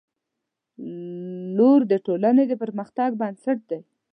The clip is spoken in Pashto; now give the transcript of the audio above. • لور د ټولنې د پرمختګ بنسټ دی.